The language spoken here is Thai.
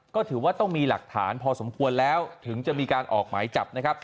ก็ถือว่าต้องมีหลักฐานพอสมควรแล้วถึงจะมีการออกหมายจับนะครับ